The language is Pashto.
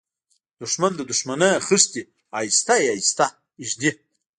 دښمن د دښمنۍ خښتې آهسته آهسته ږدي